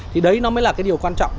thì đấy mới là điều quan trọng